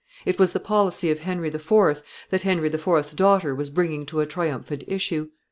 It was the policy of Henry IV. that Henry IV.'s daughter was bringing to a triumphant issue.